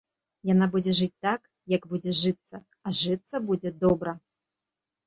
Яна будзе жыць так, як будзе жыцца, а жыцца будзе добра.